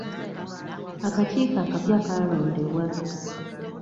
Akakiiko akapya kaalondebwa.